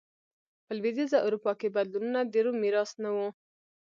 په لوېدیځه اروپا کې بدلونونه د روم میراث نه و